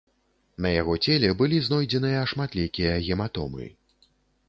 На яго целе былі знойдзеныя шматлікія гематомы.